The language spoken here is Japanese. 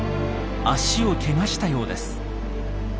足をけがしたようです。